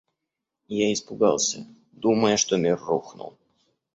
Я испугался, думая, что мир рухнул.